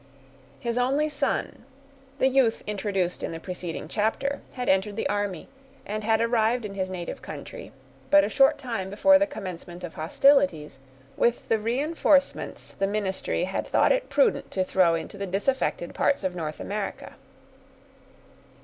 His only son, the youth introduced in the preceding chapter, had entered the army, and had arrived in his native country, but a short time before the commencement of hostilities, with the reinforcements the ministry had thought it prudent to throw into the disaffected parts of North America.